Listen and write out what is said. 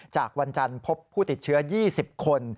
จากวันจันทร์พบผู้ติดเชื้อ๒๐คน